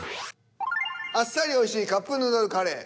あっさりおいしいカップヌードルカレー。